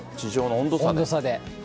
温度差で。